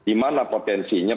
di mana potensinya